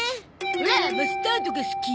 オラマスタードが好き。